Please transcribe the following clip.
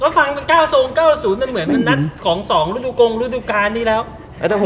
กล้าฟังกัน๙๒๐๙๐นะเหมือนนัดของ๒ฤดูกง๑๑๑บาท